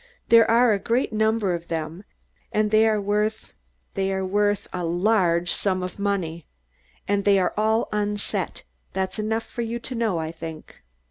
"There are a great number of them, and they are worth they are worth a large sum of money. And they are all unset. That's enough for you to know, I think."